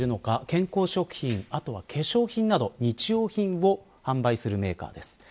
健康食品化粧品など日用品を販売するメーカーです。